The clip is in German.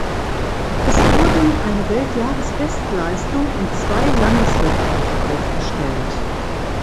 Es wurden eine Weltjahresbestleistung und zwei Landesrekorde aufgestellt.